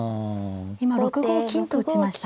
今６五金と打ちました。